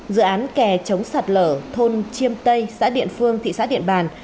dự án kè chống sạt lở thôn chiêm tây xã điện phương thị xã điện bàn